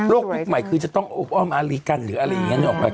โรคยุคใหม่คือจะต้องออกมารีกันหรืออะไรอย่างนี้